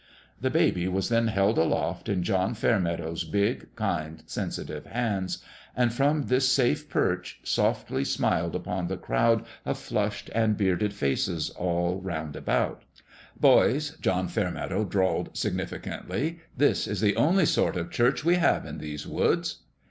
" The baby was then held aloft in John Fair meadow's big, kind, sensitive hands, and from this safe perch softly smiled upon the crowd of flushed and bearded faces all roundabout. 104 The MAKING of a MAN " Boys," John Fairmeadow drawled, signifi cantly, " this is the only sort of church we have in these woods."